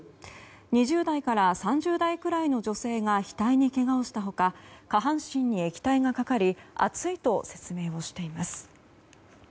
２０代から３０代くらいの女性が額にけがをした他下半身に液体がかかり熱いと説明をしています。